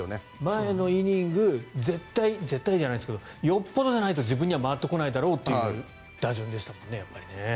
前のイニング絶対じゃないですけどよっぽどじゃないと、自分には回ってこないだろうという打順でしたもんね。